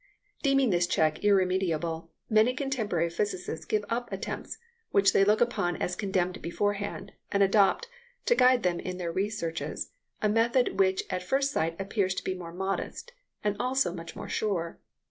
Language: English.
Deeming this check irremediable, many contemporary physicists give up attempts which they look upon as condemned beforehand, and adopt, to guide them in their researches, a method which at first sight appears much more modest, and also much more sure.